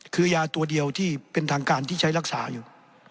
คือยาตัวเดียวที่เป็นทางการที่ใช้รักษาอยู่